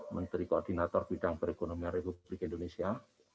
menteri koordinator bidang perekonomian republik indonesia